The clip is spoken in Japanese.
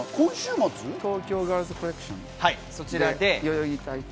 東京ガールズコレクション、代々木体育館で。